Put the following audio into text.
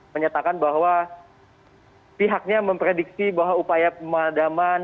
menyatakan bahwa pihaknya memprediksi bahwa upaya pemadaman